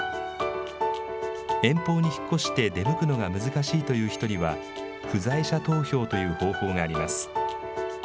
遠方に引っ越して出向くのが難しいという人には、不在者投票という方法があります。